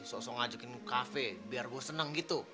sok sok ngajakin lo ke kafe biar gue seneng gitu